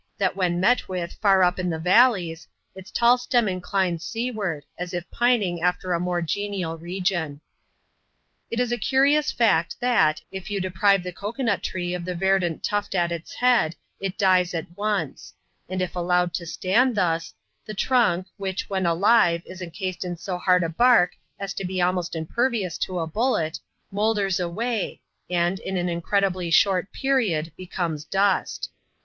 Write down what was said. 867 that when met with far up the valleys, its tall stem inclines seaward, as if pining after a more genial region. It is a curious fact, that, if you deprive the cocoa nut tree of the verdant tuft at its head, it dies at once ; and if allowed to stand thus, the trunk, which, when alive, is encased in so hard a bark as to be almost impervious to a bullet, moulders away, and, in an incrediblly short period, becomes dust.